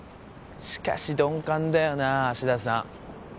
しかし鈍感だよな芦田さん